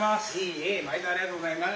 ありがとうございます。